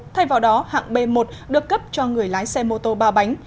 thay vào đó hạng b một được cấp cho người lái xe mô tô ba bánh